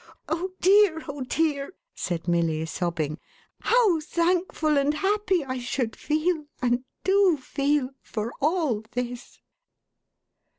Oh dear, oh dear,11 said Milly, sobbing. " How thankful and how happy I should feel, and do feel, for all this